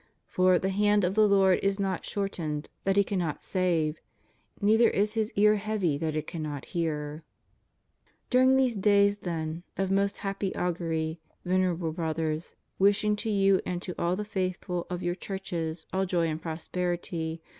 For the hand of the Lord is not shortened, that He cannot save, neither is His ear heavy, that it cannot hear} During these days, then, of most happy augury, Venerable Brothers, wishing to you and to all the faithful of your churches all joy and prosperity.